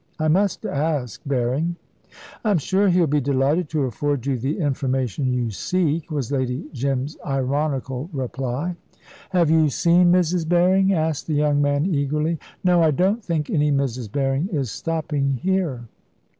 I must ask Berring." "I'm sure he'll be delighted to afford you the information you seek," was Lady Jim's ironical reply. "Have you seen Mrs. Berring?" asked the young man, eagerly. "No; I don't think any Mrs. Berring is stopping here."